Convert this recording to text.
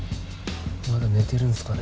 まだ寝てるんすかね。